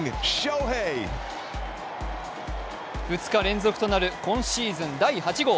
２日連続となる今シーズン第８号。